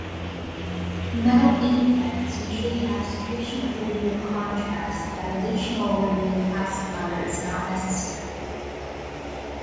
Metal implants usually have sufficient radiocontrast that additional radiopacifier is not necessary.